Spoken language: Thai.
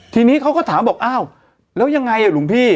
ทีนี้เขาก็ถามบอกอ้าวแล้วยังไงหลวงพี่